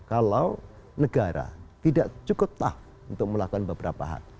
kalau negara tidak cukup tah untuk melakukan beberapa hal